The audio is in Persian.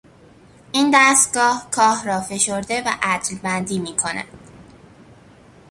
این دستگاه کاه را فشرده و عدلبندی میکند.